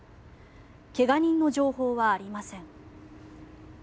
怪我人の情報はありません。